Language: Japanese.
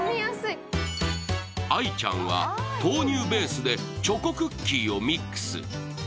愛ちゃんは豆乳ベースでチョコクッキーをミックス。